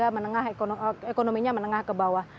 menengah ekonominya menengah ke bawah